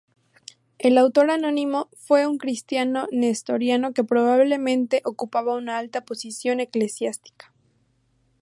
El autor anónimo fue un cristiano nestoriano que probablemente ocupaba una alta posición eclesiástica.